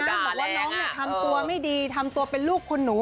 บอกว่าน้องทำตัวไม่ดีทำตัวเป็นลูกคนหนู